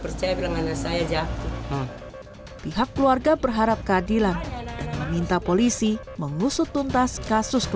percaya dengan saya jatuh pihak keluarga berharap keadilan dan meminta polisi mengusut tuntas kasus